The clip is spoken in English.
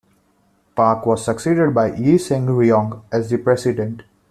Park was succeeded by Yi Sang-ryong as the president.